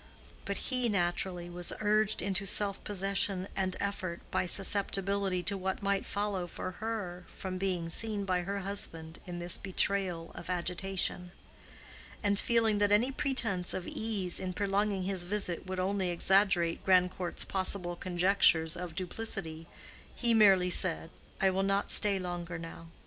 But he, naturally, was urged into self possession and effort by susceptibility to what might follow for her from being seen by her husband in this betrayal of agitation; and feeling that any pretense of ease in prolonging his visit would only exaggerate Grandcourt's possible conjectures of duplicity, he merely said, "I will not stay longer now.